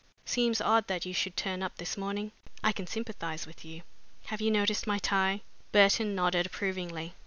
"Seems odd that you should turn up this morning. I can sympathize with you. Have you noticed my tie?" Burton nodded approvingly.